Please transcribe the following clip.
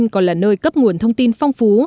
còn là nơi cấp nguồn thông tin phong phú